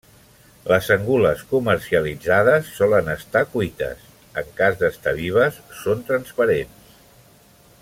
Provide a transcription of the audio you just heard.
Les angules comercialitzades solen estar cuites, en cas d'estar vives són transparents.